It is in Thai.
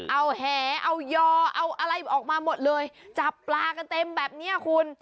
เอาแหเอายอเอาอะไรออกมาหมดเลยจับปลากันเต็มแบบเนี้ยคุณ